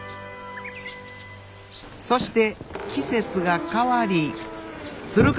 そして季節が変わり鶴亀